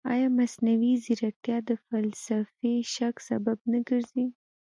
ایا مصنوعي ځیرکتیا د فلسفي شک سبب نه ګرځي؟